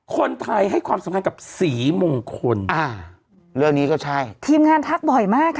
คนไทยให้ความสำคัญกับสีมงคลอ่าเรื่องนี้ก็ใช่ทีมงานทักบ่อยมากอ่ะ